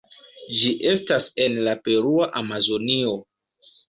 Ĝi estas en la Perua Amazonio.